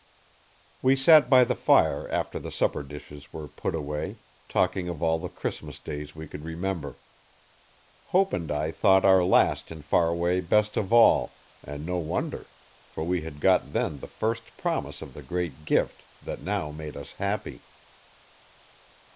We sat by the fire after the supper dishes were put away, talking of all the Christmas Days we could remember. Hope and I thought our last in Faraway best of all and no wonder, for we had got then the first promise of the great gift that now made us happy.